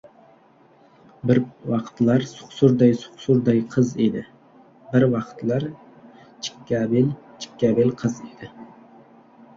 Bir vaqtlar suqsurday-suqsurday qiz edi! Bir vaqtlar chikkabel-chikkabel qiz edi!